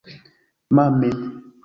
Mame!